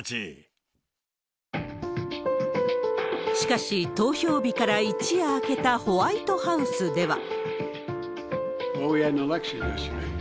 しかし、投票日から一夜明けたホワイトハウスでは。